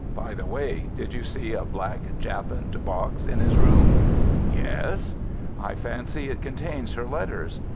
By the way, did you see a black japanned box in his room?" "Yes." "I fancy it contains her letters.